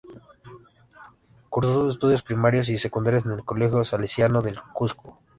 Cursó sus estudios primarios y secundarios en el Colegio Salesiano del Cusco.